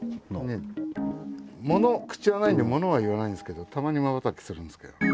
もの口はないんでものは言わないんですけどたまにまばたきするんですけど。